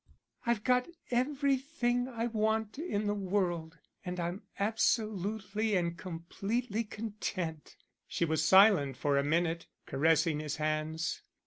I've got everything I want in the world, and I'm absolutely and completely content." She was silent for a minute, caressing his hands.